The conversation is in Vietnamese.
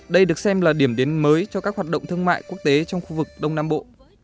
đây được xem là điểm đến mới cho các hoạt động thương mại quốc tế trong khu vực đông nam bộ